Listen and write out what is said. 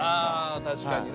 あ確かにね。